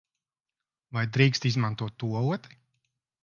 Vai drīkst izmantot tualeti?